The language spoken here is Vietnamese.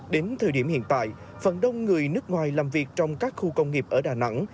đến thời điểm hiện tại phần đông người nước ngoài làm việc trong các khu công nghiệp ở đà nẵng